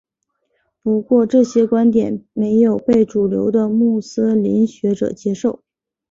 不过这些观点没有被主流的穆斯林学者接受。